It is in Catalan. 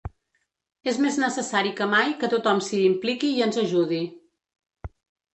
És més necessari que mai que tothom s’hi impliqui i ens ajudi.